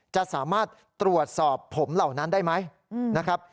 จะสามารถตรวจสอบผมเหล่านั้นได้ไหมนะครับ